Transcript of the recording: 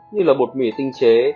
như là bột mì tinh chế